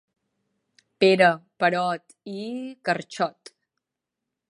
Pere, Perot... I carxot.